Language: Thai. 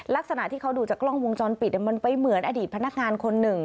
ลักษณะที่เขาดูจากกล้องวงจรปิดมันไปเหมือนอดีตพนักงานคนหนึ่ง